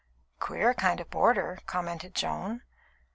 "Queer kind of boarder," commented Joan.